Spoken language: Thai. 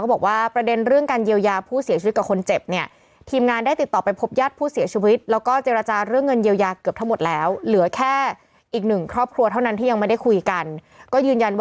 ก็บอกว่าประเด็นเรื่องการเยียวยาผู้เสียชีวิตกับคนเจ็บเนี่ย